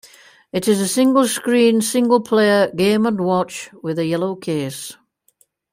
It is a single-screen single-player "Game and Watch" with a yellow case.